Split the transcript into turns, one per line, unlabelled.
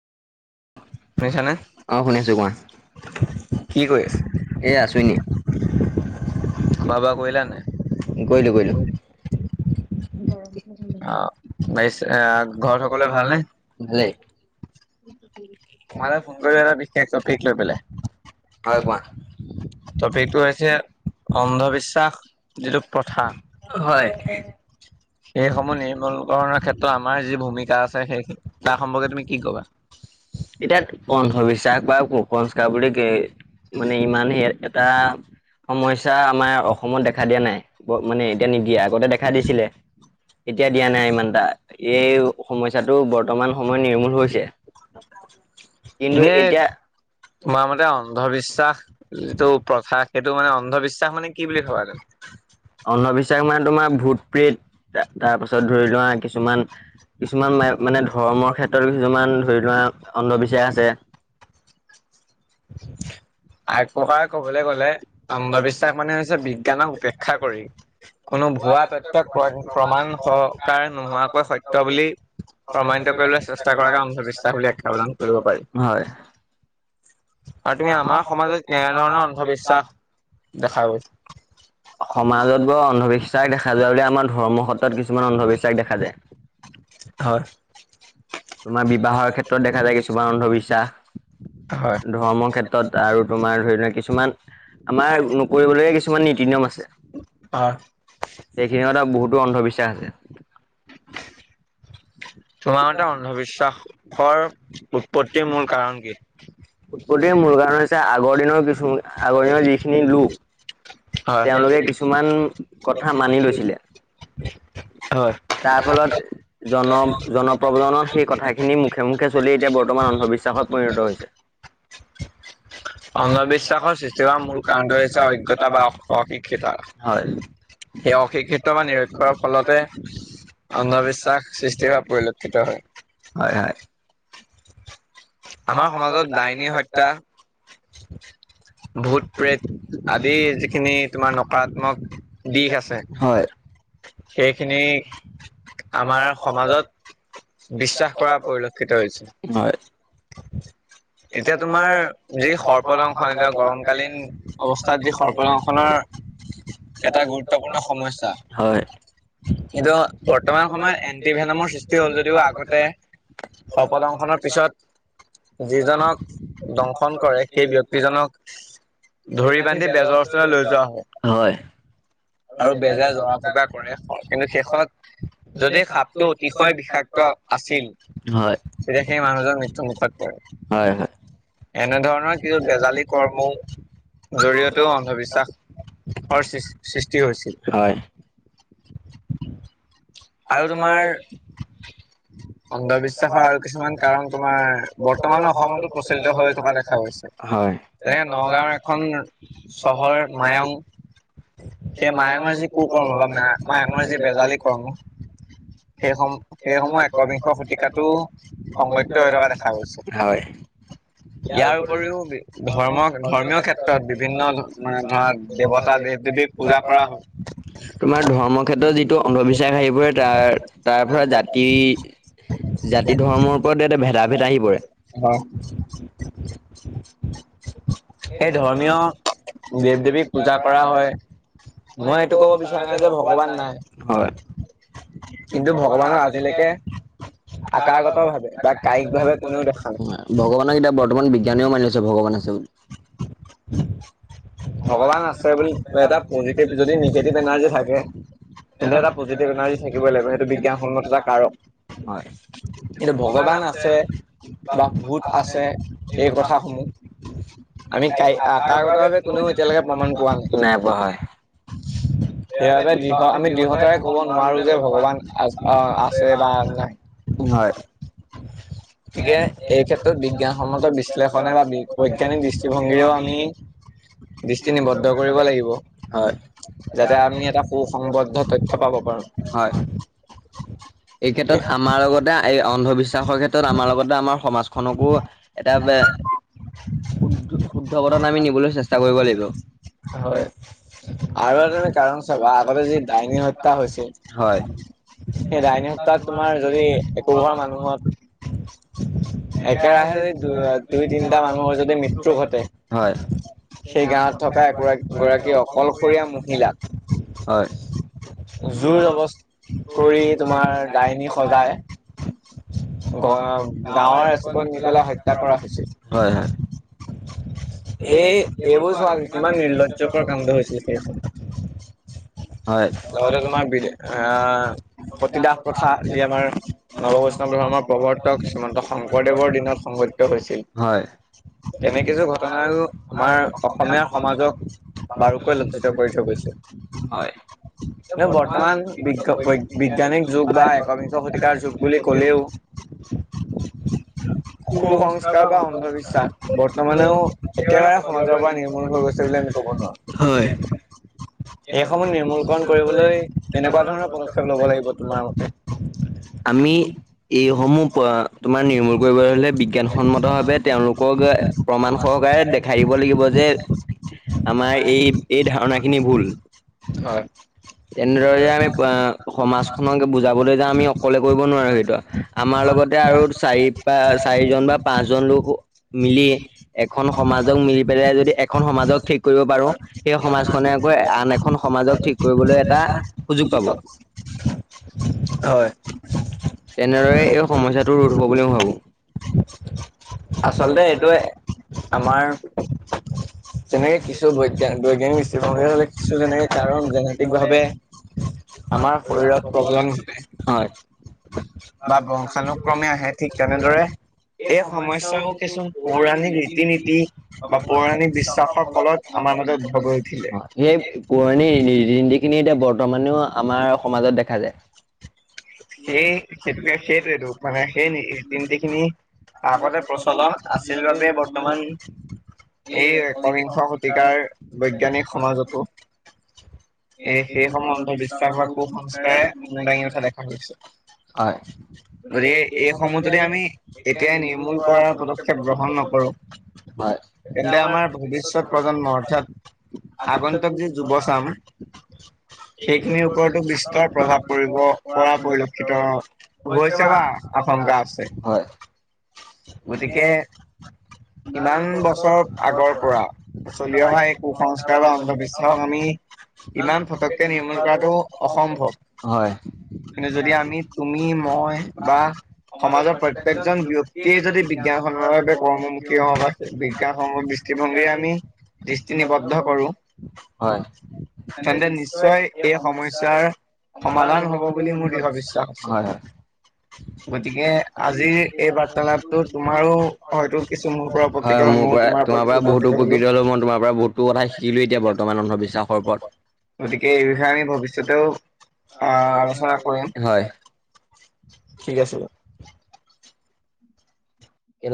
শুনিছানে
অ শুনিছোঁ মই কি
কৰি আছে
কৰিছা এ আছোঁ ইনে খোৱা বোৱা কৰিলা নাই অ কৰিলোঁ কৰিলোঁ ঘৰত
অ বাৰিছে ঘৰত
সকলোৱে ভাল
ভালনে
নে ভালেই
তোমালে ফোন কৰিলো এটা বিশেষ টপিক লৈ পেলেই তপিকটো হৈছে অন্ধবিশ্বাস যিটো প্ৰথা হ হয় সেই সমূহ নিৰ্মূলকৰণৰ ক্ষেত্ৰত আমাৰ যি ভূমিকা আছে সেই তাৰ সম্পৰ্কে তুমি কি কবা
এতিয়া অন্ধবিশ্বাস বা কুসস্কাৰ বুলি কে মানে ইমানে এটা সমস্যা আমাৰ অসমত দেখা দিয়া নাই মানে এতিয়া নিদিয়ে আগতে দেখা দিছিলে এতিয়া দিয়া নাই ইমান এটা এই সমস্যাটো বৰ্তমান সময় নিৰ্মূল হৈছে। কিন্তু
এনে
এতিয়া
তোমাৰ মতে
অন্ধবিশ্বাস
যিটো প্ৰথা
কথা সেইটো মানে অন্ধবিশ্বাস মানে কি ল।
বুলি ভাবা তুমি
অন্ধবিশ্বাস মানে তোমাৰ ভূত প্ৰীত তাৰপাছত ধৰি লোৱা কিছুমান। কিছুমান মানে ধৰ্মৰ ক্ষেত্ৰত কিছুমান ধৰি লোৱা অন্ধবিশ্বাস আছে,
আ এক প্ৰকাৰ কবলৈ গলে অন্ধবিশ্বাস মানে হৈছে বিজ্ঞানক উপেক্ষা কৰি কোনো ভুৱা যিবিলাক প্ৰমাণ সহকাৰ নোহোৱাকৈ সত্য বুলি প্ৰমাণিত কৰিবলৈ চেষ্টা কৰাকে অন্ধবিশ্বাস বুলি আখ্যা প্ৰদান কৰিব পাৰি।
হয়
আৰু তুমি আমাৰ সমাজত এনেধৰণৰ অন্ধবিশ্বাস দেখা গৈ
সমাজটো অন্ধবিশ্বাস দেখা যায় বুলি আমাৰ ধৰ্ম সত্ৰত কিছুমান অন্ধবিশ্বাস দেখা যায়।
হয়।।
তোমাৰ বিবাহৰ ক্ষেত্ৰত দেখা যায় কিছুমান
হয়
অন্ধবিশ্বাস। ধৰ্মৰ ক্ষেত্ৰত আৰু তোমাৰ ধৰি লোৱা কিছুমান আমাৰ নকৰিবলৈ কিছুমান নীতি নিয়ম আছে।
অ
সেইখিনি এটা বহুতো অন্ধবিশ্বাস আছে।
তোমাৰমতে অন্ধবিশ্বাসৰ উৎপত্তিৰ মূল কাৰণ কি?
উৎপত্তিৰ মূল কাৰণ হৈছে আগৰ দিনৰ কিছুমান আগৰ দিনৰ যিখিনি লোক।
হয়
তেওঁলোকে কিছুমান কথা মানি লৈছিলে,
হয়
তাৰ ফলত জন জনপ্ৰজনৰ সেই কথাখিনি মুখে মুখে চলি এতিয়া বৰ্তমান অন্ধবিশ্বাসত পৰিণত হৈছে।
ঠিক কথা। অন্ধবিশ্বাসৰ সৃষ্টি হোৱা মূল কাৰণটো হৈছে অজ্ঞতা বা অশিক্ষিত।
হয়
সেই অশিক্ষিত বা নিৰক্ষৰ ফলতে অন্ধবিশ্বাস সৃষ্টি হোৱা পৰিলক্ষিত হয়।
হয়
আমাৰ সমাজত দাইনী হত্যা ভূত প্ৰেত আদি যিখিনি তোমাৰ নকাৰাত্মক দিশ আছে।
হয়
সেইখিনি আমাৰ সমাজত বিশ্বাস কৰা পৰিলক্ষিত হৈছে
হয়
[unintelligible] এতিয়া তোমাৰ যি সৰ্পদংশন এতিয়া গৰমকালীন অৱস্থাত যি সৰ্পদংশনৰ এটা গুৰুত্বপূৰ্ণ সমস্যা
হয়
কিন্তু বৰ্তমান সময়ত এন্টিভেনামৰ সৃষ্টি হ'ল যদিও আগতে সৰ্পদংশন ৰ পিছত যি ব্যক্তিজনক দংশন কৰে সেই ব্যক্তিজনক ধৰি বান্ধি বেজৰ ওচৰলৈ লৈ যোৱা হয় আৰু বেজে জৰা ফুকা কৰে কিন্তু শেষত যদি সাপটো অতিশয় বিষাক্ত আছিল
হয়
তেতিয়া সেই মানুহজন মৃত্যু মুখত পৰে।
হয় হয়
এনেধৰণৰ কিছু বেজালী কৰ্মও জৰিয়তেও অন্ধবিশ্বাসৰ সৃষ্টি হৈছিল
হয়
আৰু তোমাৰ অন্ধবিশ্বাসৰ আৰু কিছুমান কাৰণ তোমাৰ বৰ্তমান অসমতো প্ৰচলিত হৈ থকা দেখা গৈছে
হয়
তেনেকে নগাঁওৰ এখন চহৰ মায়ং সেই মায়ঙৰ যি কু কৰ্ম বা মা মায়ঙৰ যি বেজালী কৰ্ম সেই সম সেইসমূহ একবিংশ শতিকাটো সংলক্ষিত হৈ থকা দেখা গৈছে
হয়
ইয়াৰ উপৰিও ধৰ্ম ধৰ্মীয় ক্ষেত্ৰত বিভিন্ন মানে ধৰা দেৱতা দেৱ দেৱীক পূজা কৰা হয়
তোমাৰ ধৰ্মৰ ক্ষেত্ৰত যিটো অন্ধবিশ্বাস আহি পৰে তাৰ তাৰ পৰা জাতি জাতি-ধৰ্মৰ ওপৰত এতে ভেদাভেদ আহিবই
[unintelligible]
সেই ধৰ্মীয় দেৱ- দেৱীক পূজা কৰা হয়।
মই এইটো ক'ব বিচাৰো নাই যে ভগৱান নাই।
হয়
কিন্তু ভগৱানৰ আজিলৈকে আকাৰগত ভাৱে বা
ভগৱানক
কায়িক ভাৱে কোনেও দেখা নাই
এতিয়া বৰ্তমান বিজ্ঞানীও মানি লৈছে ভগৱান আছে বুলি
[unintelligible] ভগৱান আছে বুলি এটা পজিটিভ যদি নিগেটিভ এনাৰ্জি থাকে তেন্তে এটা পজিটিভ এনাৰ্জি থাকিবই লাগিব সেইটো বিজ্ঞানসন্মতটা কাৰক
হয়
কিন্তু ভগৱান আছে বা ভূত আছে এই কথা সমূহ আমি কায় কাৰগত কোনেও এতিয়ালৈকে প্ৰমাণ পোৱা নাই
পোৱা হয়
[unintelligible] সেইবাবে দৃঢ় আমি দৃঢ়তাৰে কব নোৱাৰোঁ যে ভগৱান আছে বা নাই
হয়
[unintelligible] গতিকে এই ক্ষেত্ৰত বিজ্ঞানসন্মত বিশ্লেষণে বা বৈজ্ঞানিক দৃষ্টিভংগীৰেও আমি দৃষ্টি নিবদ্ধ কৰিব লাগিব।
হয়
যাতে আমি এটা সু-সংবদ্ধ তথ্য পাব পাৰোঁ।
হয়। এই ক্ষেত্ৰত আমাৰ লগতে এই অন্ধবিশ্বাসৰ ক্ষেত্ৰত আমাৰ লগতে আমাৰ সমাজখনকো এটা শুদ্ধ অৱদান আমি নিবলৈ চেষ্টা কৰিব লাগিব।
হয় আৰু এটা কাৰণ চাবা আগতে যি ডাইনী হত্যা হৈছিল
হয়।
তাত তোমাৰ যদি একোঘৰ মানুহত একেৰাহে যদি দু দুই তিনটা মানুহৰ যদি মৃত্যু ঘটে
সেই গাঁওখনতে এগৰাকী অকলশৰীয়া মহিলা, হয়
জোৰ-জবস্তি কৰি তোমাৰ দাইনী সজায়। গ গাঁৱৰ এচুকত নি পেলাই হত্যা কৰা
হয়
হৈছিল। এই এইবোৰ চোৱা কিমান নিৰ্লজ্জকৰ কামটো হৈছিলে
হয় হয়
ঘৰতে তোমাৰ বি আ সতীদাহ প্ৰথা যি আমাৰ নৱ বৈষ্ণৱমৰ প্ৰৱৰ্তক শ্ৰীমন্ত শংকৰদেৱৰ দিনত সং হৈছিল
হয়
তেনে কিছু ঘটনায়ো আমাৰ অসমীয়া সমাজক বাৰুকৈ লজ্জিত কৰি থৈ গৈছে।
হয়
কিন্ত বৰ্তমান বি বৈ বিজ্ঞানিক যুগ বা একবিংশ শতিকাৰ যুগ বুলি ক'লেও সু-সংস্কাৰ বা অন্ধবিশ্বাস বৰ্তমানেও একেবাৰে সমাজৰ পৰা নিৰ্মূল হৈ গৈছে বুলি আমি কব নোৱাৰোঁ,
হয়
এইসমূহ নি মূলকন কৰিবলৈ কেনেকুৱা ধৰণৰ পদক্ষেপ ল'ব লাগিব তোমাৰ
আমি
মতে?
এইসমূহ তোমাৰ নিৰ্মূল কৰিবলৈ হ'লে বিজ্ঞানসন্মতভাৱে তেওঁলোকক প্ৰমাণ সহ সহকাৰে দেখাই দিব লাগিব যে আমাৰ এই, এই ধাৰণাখিনি ভুল
হয়।
তেনেদৰে যে আমি সমাজখনকে বুজাবলৈ যাওঁ আমি অকলে কৰিব নোৱাৰো সেইটো, আমাৰ লগত তে আৰু চাৰি প চাৰিজন বা পাঁচজন লোক মিলি এখন সমাজক মিলি পেলাই যদি এখন সমাজক ঠিক কৰিব পাৰোঁ, সেই সমাজখনে আকৌ আন এখন সমাজ সমাজক ঠিক কৰিবলৈ এটা সুযোগ পাব।
হয়,
তেনেদৰে এই সমস্যাটো ৰোধ হ'ব বুলি মই ভাবোঁ।
আচলতে এইটোৱে, আমাৰ তেনেকে কিছু বৈগা বৈজ্ঞানিক দৃষ্টিভংগীৰে হ'লে কিছু তেনেকে কাৰণ ৰাজনতিকভাৱে আমাৰ শৰীৰত প্ৰব্লেম ঘটে।
হয়।
বা বংশানুক্ৰমে আহে, ঠিক তেনেদৰে এই সমস্যাও কিছু পৌৰাণিক ৰীতি নীতি বা পৌৰাণিক বিশ্বা
[unintelligible] এই কৌ যিখিনি এতিয়া বৰ্তমানেও আমাৰ সমাজত দেখা যায়
সেই সেইটোকে সেইটোৱেইটো মানে সেই তি নীতিখিনি তাৰগতে প্ৰচলন আছিল বাবে বৰ্তমান
এই
অৰিংস শতিকাৰ বৈজ্ঞানিক সমাজতো এ সেইসমূহ অন্ধবিশ্বাস বা কুসস্কাৰে মূৰ দাঙি উঠা দেখা গৈছে
হয় গতিকে সেই সময়জনে আমি এতিয় নিৰ্মূল কৰা পদক্ষেপ গ্ৰহণ নকৰো হয় এয়া আমাৰ
ভৱিষ্যত প্ৰজন্ম অৰ্থাৎ আগন্তক যি যুৱচাম সেইখিনিৰ ওপৰতো বিস্তৰ প্ৰভাৱ পৰিব পৰা পৰিলক্ষিত শিক্ষিত হৈছে বা আশংকা আছে
হয়
গতিকে ইমান বছৰ আগৰ পৰা চলি অহা এই কুসংস্কাৰ বা অন্ধবিশ্বাসক আমি ইমান ফটককে নিৰ্মূল কৰাটো অসম্ভৱ।
হয়
কিন্তু যদি আমি তুমি মই বা সমাজৰ প্ৰত্যেকজন ব্যয়ক্তিয়ে যদি বিজ্ঞান সমন্বয় বাবে কৰ্মমুখী হওঁ বা বিজ্ঞানসমূহ দৃষ্টীভংগী আমি দৃষ্টি নিবদ্ধ কৰো
হয়
তেন্তে নিশ্চয় এই সমস্যাৰ সমাধান হব বুলি ভাবিছোঁ
হয় হয়।
[unintelligible] গতিকে আজিৰ এই বাৰ্তালাপটো তোমাৰো হয়তো কিছু মোৰ পৰা উপকৃত
হয়
হ'ল
মোৰ
ময়ো
পৰা
তোমাৰ
তোমাৰ পৰা বহুতো প্ৰকৃত হলো মই তোমাৰ পৰা বহুতো কথা শিকিলো এতিয়া বৰ্তমান অন্ধবি্বাসৰ ওৰত
গতিকে এই বিষয়ে আমি ভৱিষ্যতেও আহ আলোচনা কৰিম
হয়
ঠিক আছে